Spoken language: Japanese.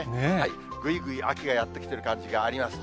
ぐいぐい秋がやって来ている感じがあります。